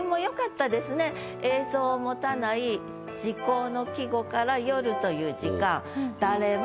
映像を持たない時候の季語から「夜」という時間「誰も」